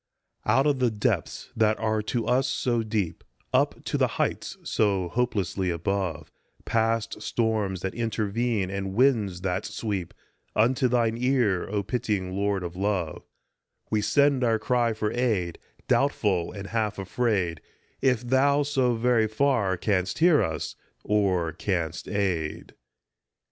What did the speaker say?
OUT of the depths that are to us so deep, Up to the heights so hopelessly above, Past storms that intervene and winds that sweep, Unto thine ear, O pitying Lord of love, We send our cry for aid, doubtful and half afraid If thou, so very far, canst hear us or canst aid.